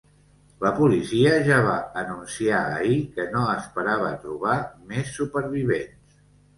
La policia ja va anunciar ahir que no esperava trobar més supervivents.